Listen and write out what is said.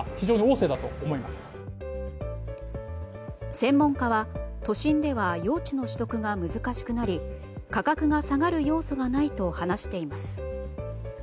専門家は都心では用地の取得が難しくなり価格が下がる要素がないと話しています。